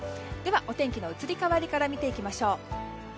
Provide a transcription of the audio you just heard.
お天気の移り変わりから見ていきます。